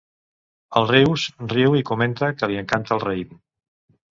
El Rius riu i comenta que li encanta el raïm.